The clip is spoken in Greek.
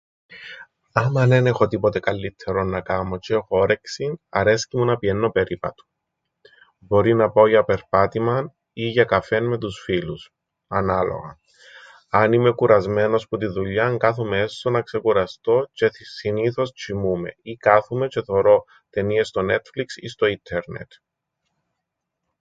Άμαν εν έχω τίποτε καλλύττερον να κάμω τζ̆αι έχω όρεξην, αρέσκει μου να πηαίννω περίπατον. Μπορεί να πάω για περπάτημαν ή για καφέν με τους φίλους μου, ανάλογα. Αν είμαι κουρασμένος που την δουλειάν, κάθουμαι έσσω να ξεκουραστώ τζ̆αι συνήθως τζ̆οιμούμαι ή κάθουμαι τζ̆αι θωρώ ταινίες στο Netflix ή στο ίττερνετ.